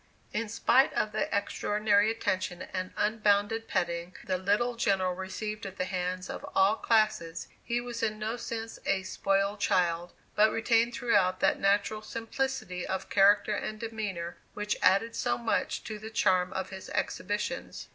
In spite of the extraordinary attention and unbounded petting the little General received at the hands of all classes, he was in no sense a "spoiled child," but retained throughout that natural simplicity of character and demeanor which added so much to the charm of his exhibitions.